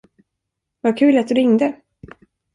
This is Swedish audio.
Vad kul att du ringde.